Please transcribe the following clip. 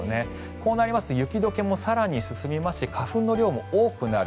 こうなりますと雪解けも更に進みますし花粉の量も多くなる。